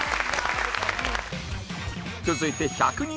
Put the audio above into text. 続いて１００人